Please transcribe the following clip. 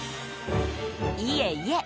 いえいえ！